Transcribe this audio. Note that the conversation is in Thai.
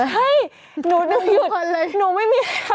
เฮ่ยหนูหนูหนูไม่มี